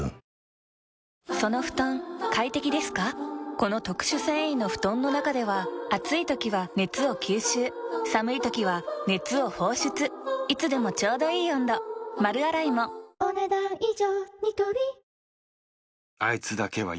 この特殊繊維の布団の中では暑い時は熱を吸収寒い時は熱を放出いつでもちょうどいい温度丸洗いもお、ねだん以上。